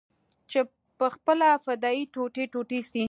چې پخپله فدايي ټوټې ټوټې سي.